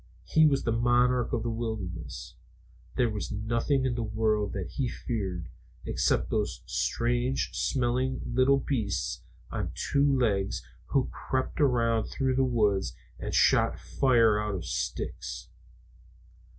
He was the monarch of the wilderness. There was nothing in the world that he feared, except those strange smelling little beasts on two legs who crept around through the woods and shot fire out of sticks.